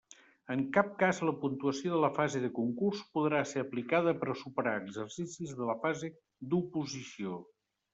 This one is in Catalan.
En cap cas la puntuació de la fase de concurs podrà ser aplicada per a superar exercicis de la fase d'oposició.